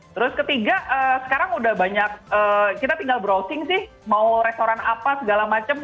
terus ketiga sekarang udah banyak kita tinggal browsing sih mau restoran apa segala macem